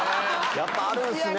やっぱあるんすね。